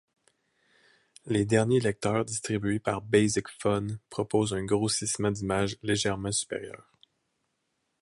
Les derniers lecteurs distribués par Basic Fun proposent un grossissement d'image legerement superieur.